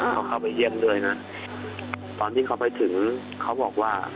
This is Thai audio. เขาเข้าไปเยี่ยมด้วยนะตอนที่เขาไปถึงเขาบอกว่า